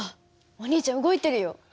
お兄ちゃん動いてるよ。